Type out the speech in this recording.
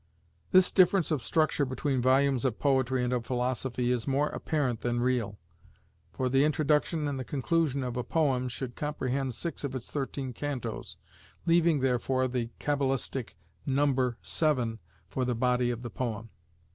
"This difference of structure between volumes of poetry and of philosophy is more apparent than real, for the introduction and the conclusion of a poem should comprehend six of its thirteen cantos," leaving, therefore, the cabalistic numeber seven for the body of the poem.